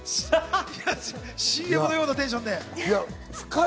ＣＭのようなテンションで。